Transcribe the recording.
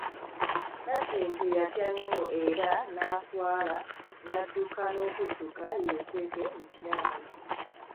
Nakintu yatya nnyo era n'aswala n'adduka n'okudduka yeekweke mu kiraalo.